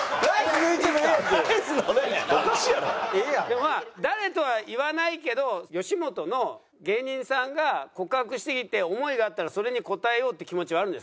でもまあ誰とは言わないけど吉本の芸人さんが告白してきて思いがあったらそれに応えようっていう気持ちはあるんですか？